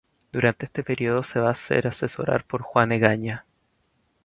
Durante este período se va a hacer asesorar por Juan Egaña.